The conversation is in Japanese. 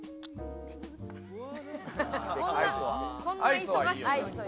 こんな忙しいのに？